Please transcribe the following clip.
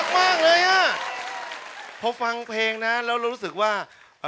ไม่อยากฟังขอลองยากรู้ว่า